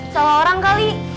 salah orang kali